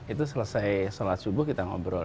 itu selesai sholat subuh kita ngobrol